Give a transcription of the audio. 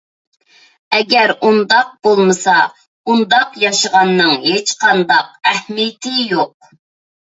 ئەگەر ئۇنداق بولمىسا، ئۇنداق ياشىغاننىڭ ھېچقانداق ئەھمىيىتى يوق.